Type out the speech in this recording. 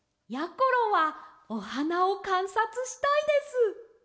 ころはおはなをかんさつしたいです！